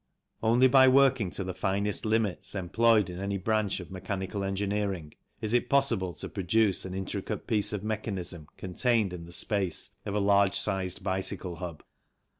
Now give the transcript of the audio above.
Only by working to the finest limits employed in any branch of mechanical engineering is it possible to produce an intricate piece of mechanism contained in the space of a large sized bicycle hub.